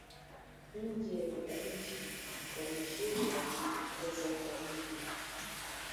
nje ya nchi wameshindwa kujitokeza kwa wingi